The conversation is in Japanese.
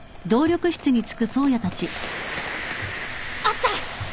あった！